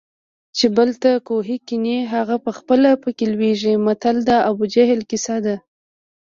چې بل ته کوهي کني هغه پخپله پکې لویږي متل د ابوجهل کیسه ده